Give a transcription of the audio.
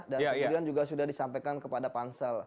dan kemudian juga sudah disampaikan kepada pansel